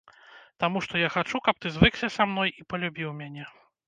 Таму што я хачу, каб ты звыкся са мной і палюбіў мяне.